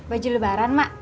baju lebaran mak